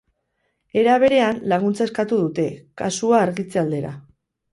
Era berean, laguntza eskatu dute, kasua argitze aldera.